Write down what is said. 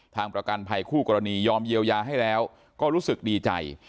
ประกันภัยคู่กรณียอมเยียวยาให้แล้วก็รู้สึกดีใจ